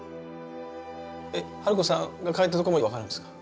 春子さんが描いたところも分かるんですか？